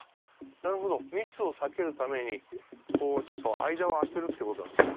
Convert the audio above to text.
なるほど密を避けるために間を空けるってことなんですか。